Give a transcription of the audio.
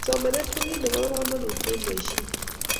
Somanet ko kit nebo kamanut eng boishet